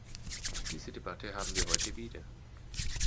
Diese Debatte haben wir heute wieder.